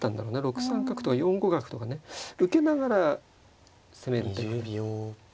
６三角とか４五角とかね受けながら攻める手がね。